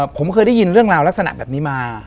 ผมเคยได้ยินเรื่องราวลักษณะแบบนี้มา